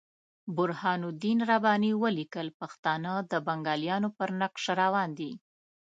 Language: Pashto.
برهان الدین رباني ولیکل پښتانه د بنګالیانو پر نقش روان دي.